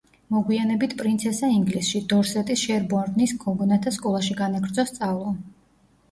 მოგვიანებით პრინცესა ინგლისში, დორსეტის შერბორნის გოგონათა სკოლაში განაგრძო სწავლა.